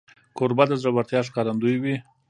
کوربه د زړورتیا ښکارندوی وي.